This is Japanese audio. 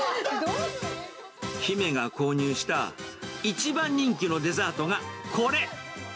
姫が購入した一番人気のデザートがこれ。